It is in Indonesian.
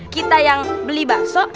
kita yang beli bakso